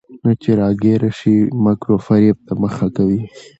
نو چې راګېره شي، مکر وفرېب ته مخه کوي.